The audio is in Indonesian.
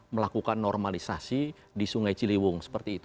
melakukan normalisasi di sungai ciliwung seperti itu